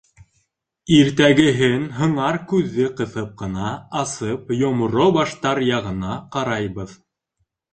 Иртәгеһен һыңар күҙҙе ҡыҫып ҡына асып Йомро баштар яғына ҡарайбыҙ.